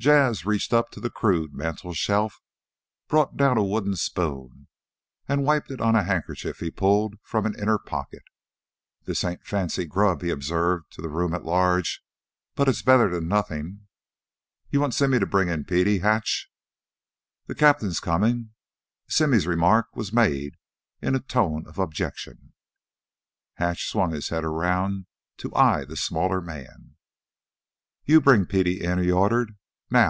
Jas' reached up to the crude mantel shelf, brought down a wooden spoon, and wiped it on a handkerchief he pulled from an inner pocket. "This ain't fancy grub," he observed to the room at large, "but it's better than nothin'. You want Simmy to bring in Petey, Hatch?" "Th' cap'n's comin'." Simmy's remark was made in a tone of objection. Hatch swung his head around to eye the smaller man. "You bring Petey in!" he ordered. "Now!"